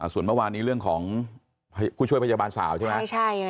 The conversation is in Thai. ส่วนเมื่อวานนี้เรื่องของผู้ช่วยพยาบาลสาวใช่ไหม